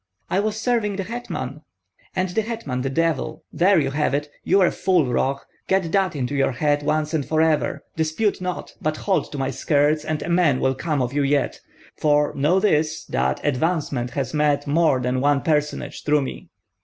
"I was serving the hetman." "And the hetman the devil. There you have it! You are a fool, Roh: get that into your head once and forever, dispute not, but hold to my skirts, and a man will come of you yet; for know this, that advancement has met more than one personage through me."